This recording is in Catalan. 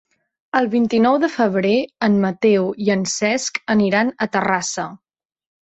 El vint-i-nou de febrer en Mateu i en Cesc aniran a Terrassa.